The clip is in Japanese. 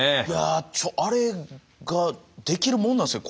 ちょっあれができるもんなんですか？